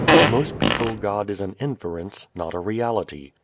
To most people God is an inference, not a reality.